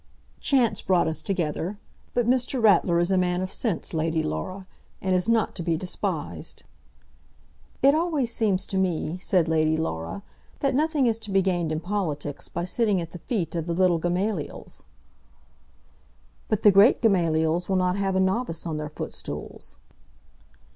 "Chance brought us together. But Mr. Ratler is a man of sense, Lady Laura, and is not to be despised." "It always seems to me," said Lady Laura, "that nothing is to be gained in politics by sitting at the feet of the little Gamaliels." "But the great Gamaliels will not have a novice on their footstools."